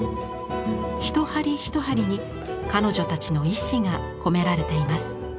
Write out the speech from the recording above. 一針一針に彼女たちの意思が込められています。